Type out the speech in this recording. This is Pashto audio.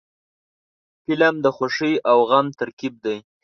فلم د خوښۍ او غم ترکیب دی